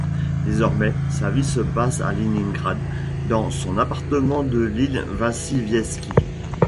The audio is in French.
Désormais sa vie se passe à Léningrad dans son appartement de l'île Vassilievski.